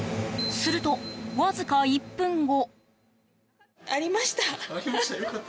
すると、わずか１分後。